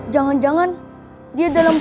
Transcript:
jangan sampai dia berkeliaran bu